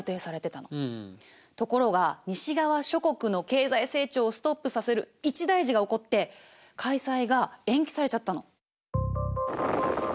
ところが西側諸国の経済成長をストップさせる一大事が起こって開催が延期されちゃったの。